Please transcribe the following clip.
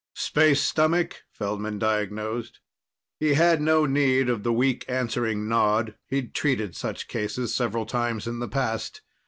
"Space stomach?" Feldman diagnosed. He had no need of the weak answering nod. He'd treated such cases several times in the past.